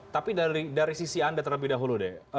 tapi dari sisi anda terlebih dahulu deh